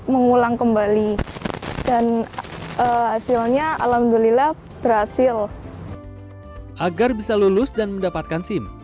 mengulang kembali dan hasilnya alhamdulillah berhasil agar bisa lulus dan mendapatkan sim